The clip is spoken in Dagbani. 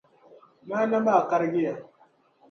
Maana maa karigiya.